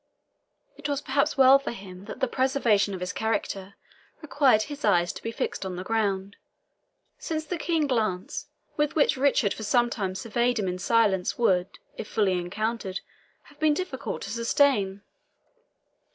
It was perhaps well for him that the preservation of his character required his eyes to be fixed on the ground, since the keen glance with which Richard for some time surveyed him in silence would, if fully encountered, have been difficult to sustain.